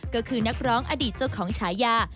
ก็คือนักร้องอดีตเจ้าของฉายา